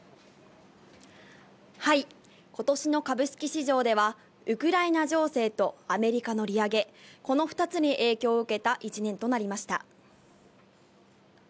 はい、今年の株式市場では、ウクライナ情勢とアメリカの利上げ、この２つに影響を受けた１年となりました。